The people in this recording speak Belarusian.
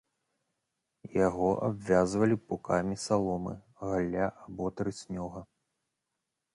Яго абвязвалі пукамі саломы, галля або трыснёга.